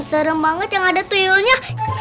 main serem banget yang ada tuyulnya